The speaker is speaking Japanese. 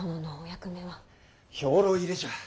兵糧入れじゃ。